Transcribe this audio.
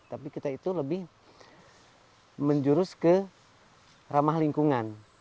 tapi kita itu lebih menjurus ke ramah lingkungan